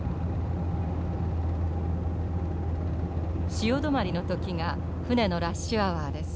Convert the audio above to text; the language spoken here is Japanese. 潮止まりの時が船のラッシュアワーです。